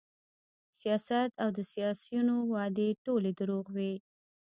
سیاست او د سیاسیونو وعدې ټولې دروغ وې